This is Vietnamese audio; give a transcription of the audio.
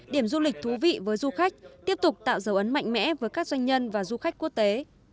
điểm du lịch thú vị với du khách tiếp tục tạo dấu ấn mạnh mẽ với các doanh nhân và du khách quốc tế